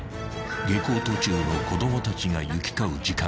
［下校途中の子供たちが行き交う時間帯］